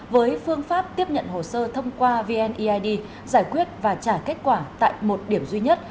với phương pháp tiếp nhận hồ sơ thông qua vneid giải quyết và trả kết quả tại một điểm duy nhất